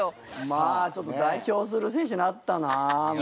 まあちょっと代表する選手になったな村上。